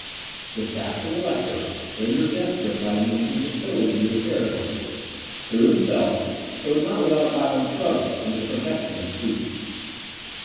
The Saxon Elector, rendered desperate by the entrance of Tilly into his territories, threw himself, though not without a violent struggle, under the protection of Sweden.